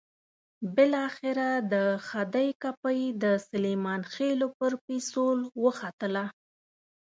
بالاخره د خدۍ کپۍ د سلیمان خېلو پر پېڅول وختله.